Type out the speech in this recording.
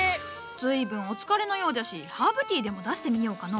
ずいぶんお疲れのようじゃしハーブティーでも出してみようかの。